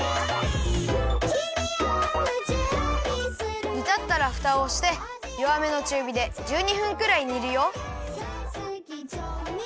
「君を夢中にする」にたったらふたをしてよわめのちゅうびで１２分くらいにるよ。